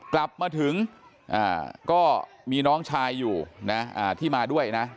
กลับมาถึงก็มีน้องชายอยู่นะที่มาด้วยนะ